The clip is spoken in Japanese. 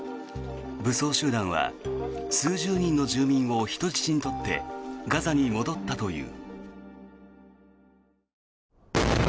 武装集団は数十人の住民を人質に取ってガザに戻ったという。